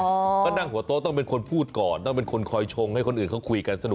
ก็นั่งหัวโต๊ะต้องเป็นคนพูดก่อนต้องเป็นคนคอยชงให้คนอื่นเขาคุยกันสนุก